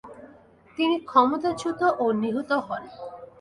তিনি ক্ষমতাচ্যুত ও নিহত হন।